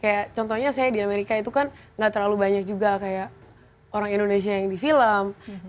kayak contohnya saya di amerika itu kan gak terlalu banyak juga kayak orang indonesia yang di film